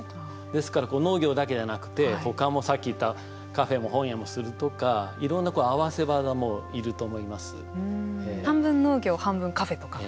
ですから、農業だけじゃなくてほかも、さっき言ったカフェも本屋もするとかいろんな合わせ技も半分農業、半分カフェとか。